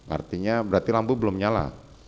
artinya berarti lampu belum nyala